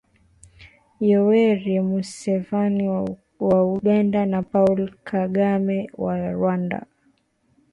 Yoweri Museveni wa Uganda na Paul Kagame wa Rwanda